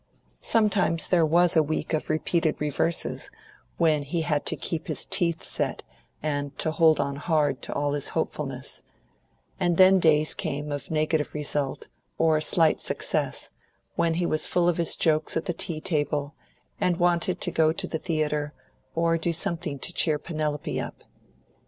Sometimes there was a week of repeated reverses, when he had to keep his teeth set and to hold on hard to all his hopefulness; and then days came of negative result or slight success, when he was full of his jokes at the tea table, and wanted to go to the theatre, or to do something to cheer Penelope up.